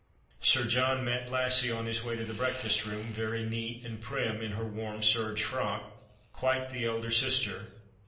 Sir John met Lassie on his way to the breakfast room, very neat and prim in her warm serge frock, quite the ekler sister.